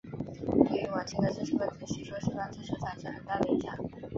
对于晚清的知识分子吸收西方知识产生很大的影响。